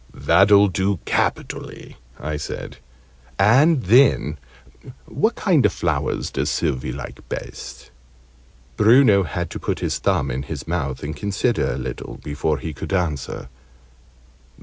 "That'll do capitally," I said; "and then what kind of flowers does Sylvie like best?" Bruno had to put his thumb in his mouth and consider a little before he could answer.